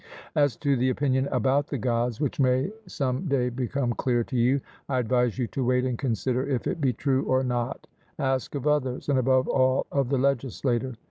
As to the opinion about the Gods which may some day become clear to you, I advise you to wait and consider if it be true or not; ask of others, and above all of the legislator.